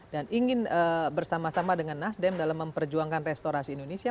dan ingin bersama sama dengan nasdem dalam memperjuangkan restorasi indonesia